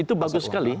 itu bagus sekali